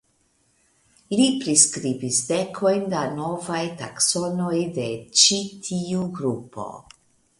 Li priskribis dekojn da novaj taksonoj de ĉi tiu grupo.